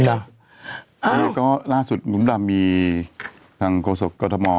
แล้วก็ล่าสุดมุมดำมีทางโกศกกฎม